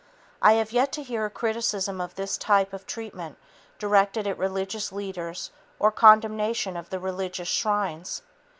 I have yet to hear a criticism of this type of treatment directed at religious leaders or condemnation of the religious shrines.